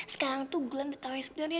sekarang tuh glenn bertawain sebenarnya